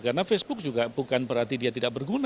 karena facebook juga bukan berarti dia tidak berguna loh